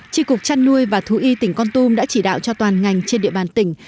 tri cục chăn nuôi và thú y tỉnh con tum đã chỉ đạo cho toàn ngành trên địa bàn tỉnh